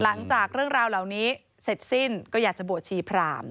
หลังจากเรื่องราวเหล่านี้เสร็จสิ้นก็อยากจะบวชชีพราม